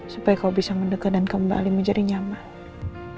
supaya kau bisa mendekat dan kembali menjadi nyaman